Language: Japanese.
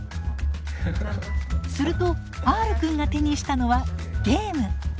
するとＲくんが手にしたのはゲーム。